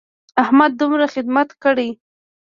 احمد د مور خدمت کړی.